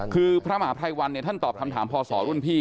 คือพระหมาพลัยวันท่านตอบทำถามพศร้อนพี่